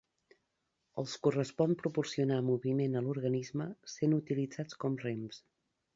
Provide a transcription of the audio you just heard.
Els correspon proporcionar moviment a l'organisme sent utilitzats com rems.